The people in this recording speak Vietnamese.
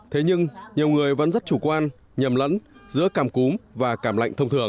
thế nhưng nhiều người vẫn rất chủ quan nhầm lẫn giữa cảm cúm và cảm lạnh thông thường